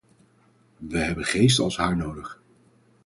We hebben geesten als haar nodig.